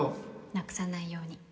なくさないように